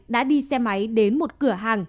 đã đi xe máy đến một cửa hàng